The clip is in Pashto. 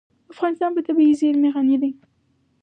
افغانستان په طبیعي زیرمې غني دی.